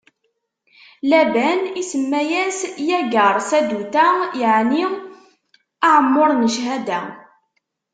Laban isemma-as Yagar Saduta, yeɛni aɛemmuṛ n cchada.